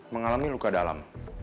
mengalami luka dalam